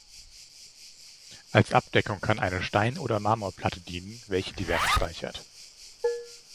Als Abdeckung kann eine Stein- oder Marmor-Platte dienen, welche die Wärme speichert.